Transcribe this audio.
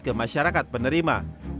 ke masyarakat penerima